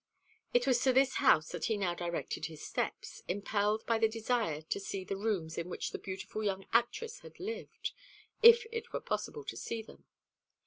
It was to this house that he now directed his steps, impelled by the desire to see the rooms in which the beautiful young actress had lived if it were possible to see them.